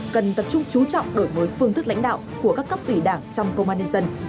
cần tập trung trú trọng đổi mới phương thức lãnh đạo của các cấp ủy đảng trong công an nhân dân